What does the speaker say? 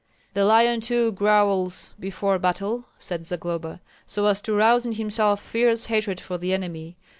"The lion too growls before battle," said Zagloba, "so as to rouse in himself fierce hatred for the enemy.